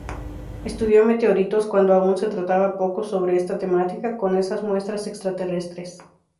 Estudió meteoritos cuando aún se trataba poco sobre esa temática con esas muestras extraterrestres.